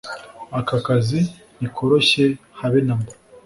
Aka kazi nti koroshye habe namba